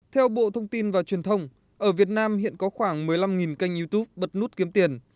theo bộ thông tin và truyền thông ở việt nam hiện có khoảng một mươi năm kênh youtube bật nút kiếm tiền